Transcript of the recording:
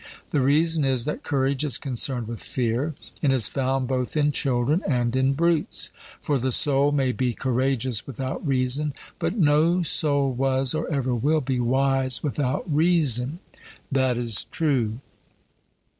The reason is that courage is concerned with fear, and is found both in children and in brutes; for the soul may be courageous without reason, but no soul was, or ever will be, wise without reason. 'That is true.'